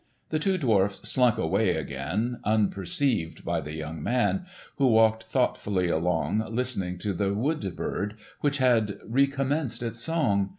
The two dwarfs slunk away again unperceived by the young man, who walked thoughtfully along listening to the wood bird, which had recommenced its song.